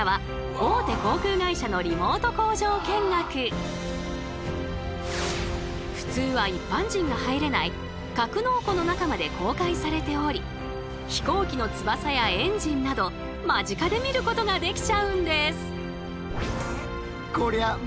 例えばこちらは普通は一般人が入れない格納庫の中まで公開されており飛行機の翼やエンジンなど間近で見ることができちゃうんです！